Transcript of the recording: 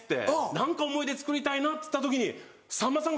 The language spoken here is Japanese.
何か思い出つくりたいなっつった時にさんまさん